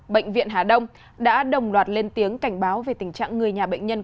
bệnh viện hà đông đã đồng loạt lên tiếng cảnh báo về tình trạng người nhà bệnh nhân